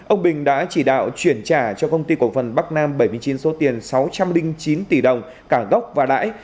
ông bình đã chỉ đạo chuyển trả cho công ty cổ phần bắc nam bảy mươi chín số tiền sáu trăm linh chín tỷ đồng cả gốc và lãi